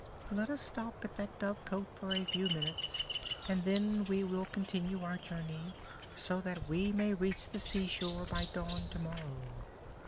"Let us stop at that dovecote for a few minutes and then we will continue our journey, so that we may reach the seashore by dawn tomorrow."